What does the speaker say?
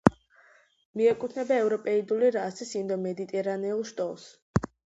მიეკუთვნება ევროპეიდული რასის ინდო-მედიტერანეულ შტოს.